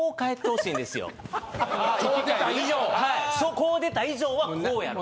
こう出た以上はこうやろ？